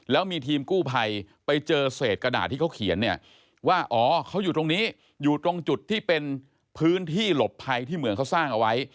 แล้วมีทีมกู้ภัยไปเจอเศษกระดาษที่เขาเขียนเนี่ยว่าอ๋อเขาอยู่ตรงนี้อยู่ตรงจุดที่เป็นพื้นที่หลบภัยที่เหมืองเขาสร้างเอาไว้